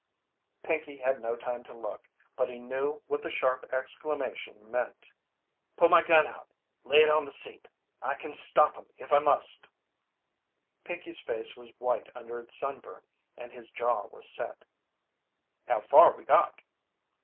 Pinkey had no time to look, but he knew what the sharp exclamation meant. "Pull my gun out lay it on the seat I can stop 'em if I must." Pinkey's face was white under its sunburn and his jaw was set. "How far we got?"